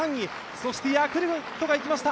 そしてヤクルトがいきました。